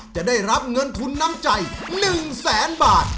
จะได้รับเงินทุนน้ำใจ๑แสนบาท